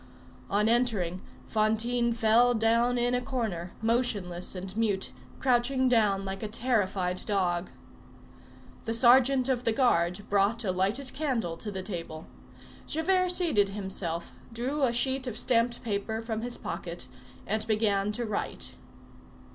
On entering, Fantine fell down in a corner, motionless and mute, crouching down like a terrified dog. The sergeant of the guard brought a lighted candle to the table. Javert seated himself, drew a sheet of stamped paper from his pocket, and began to write.